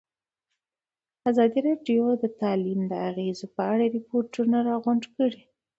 ازادي راډیو د تعلیم د اغېزو په اړه ریپوټونه راغونډ کړي.